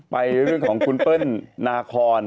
เรื่องของคุณเปิ้ลนาคอน